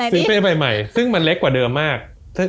เป้ใบใหม่ซึ่งมันเล็กกว่าเดิมมาก